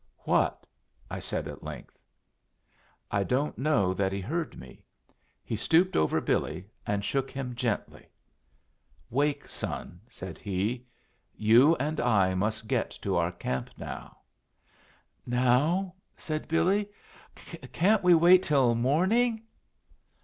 "What?" I said at length. I don't know that he heard me. He stooped over Billy and shook him gently. "Wake, son," said he. "You and I must get to our camp now." "Now?" said Billy. "Can't we wait till morning?"